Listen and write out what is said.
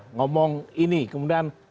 ngomong ini kemudian